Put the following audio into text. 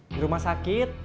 di rumah sakit